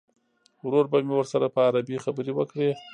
ورور به مې ورسره په عربي خبرې وکړي.